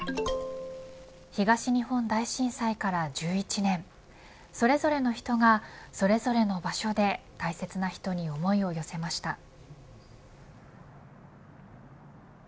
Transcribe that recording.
東日本大震災から１１年それぞれの人がそれぞれの場所で大切な人に想いを寄せました。